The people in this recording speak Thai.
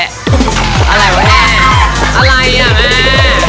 อะไรวะแม่อะไรอ่ะแม่